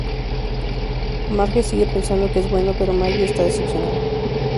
Marge sigue pensando que es bueno, pero Maggie está decepcionada.